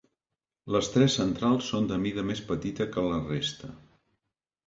Les tres centrals són de mida més petita que la resta.